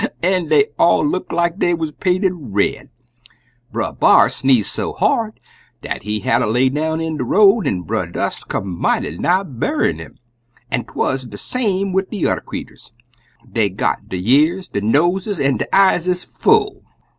An' dey all look like dey wuz painted red. Brer B'ar sneeze so hard dat he hatter lay down in de road, an' Brer Dust come mighty nigh buryin' 'im, an' 'twuz de same wid de yuther creeturs dey got der y'ears, der noses, an' der eyeses full.